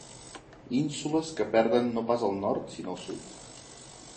Ínsules que perden no pas el nord sinó el sud.